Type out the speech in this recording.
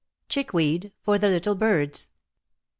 ^^CHICKWEED FOR THE LITTLE BIRDS."